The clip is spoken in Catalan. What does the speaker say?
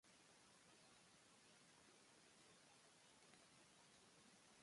El deu d'agost na Cel i na Tura volen anar a Sant Joan de Moró.